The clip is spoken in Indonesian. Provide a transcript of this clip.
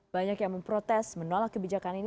banyak yang memprotes menolak kebijakan ini